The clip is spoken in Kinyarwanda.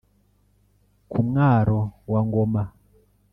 ku mwaro wa ngoma.